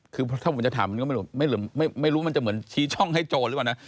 คือถ้าผมจะถามมันก็ไม่รู้มันจะเหมือนชี้ช่องให้โจรหรือเปล่านะ